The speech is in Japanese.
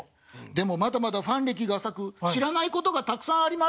「でもまだまだファン歴が浅く知らないことがたくさんあります」。